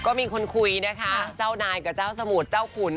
ก็มีคนคุยนะคะเจ้านายกับเจ้าสมุทรเจ้าขุน